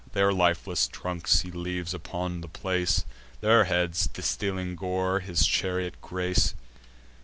Their lifeless trunks he leaves upon the place; Their heads, distilling gore, his chariot grace.